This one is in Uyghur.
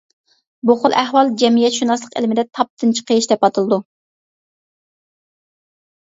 بۇ خىل ئەھۋال جەمئىيەتشۇناسلىق ئىلمىدە «تاپتىن چىقىش» دەپ ئاتىلىدۇ.